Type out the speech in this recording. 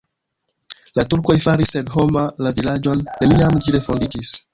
La turkoj faris senhoma la vilaĝon, neniam ĝi refondiĝis.